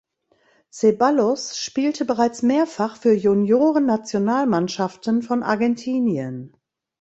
Zeballos spielte bereits mehrfach für Juniorennationalmannschaften von Argentinien.